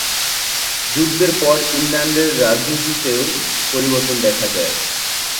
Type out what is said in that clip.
যুদ্ধের পর ইংল্যান্ডের রাজনীতিতেও পরিবর্তন দেখা যায়।